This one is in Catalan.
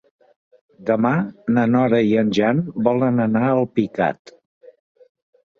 Demà na Nora i en Jan volen anar a Alpicat.